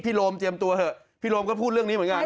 โรมเตรียมตัวเถอะพี่โรมก็พูดเรื่องนี้เหมือนกัน